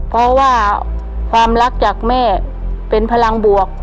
เพราะว่าความรักจากแม่เป็นพลังบวก